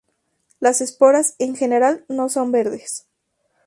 Las esporas en general no son verdes.